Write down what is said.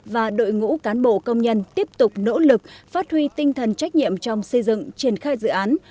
và đội ngũ cán bộ công nhân tiếp tục nỗ lực phát huy tinh thần trách nhiệm trong xây dựng triển khai dự án